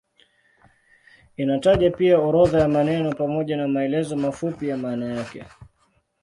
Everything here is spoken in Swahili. Inataja pia orodha ya maneno pamoja na maelezo mafupi ya maana yake.